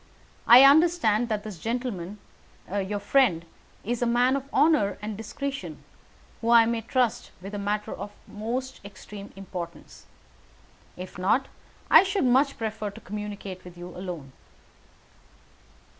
I understand that this gentleman, your friend, is a man of honour and discretion, whom I may trust with a matter of the most extreme importance. If not I should much prefer to communicate with you alone."